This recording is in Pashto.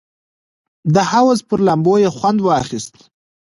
د حوض پر لامبو یې خوند واخیست.